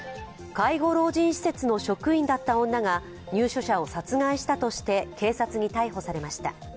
介護老人施設の職員だった女が入所者を殺害したとして警察に逮捕されました。